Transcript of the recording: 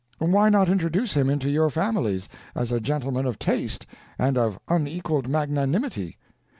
why not introduce him into your families, as a gentleman of taste and of unequaled magnanimity?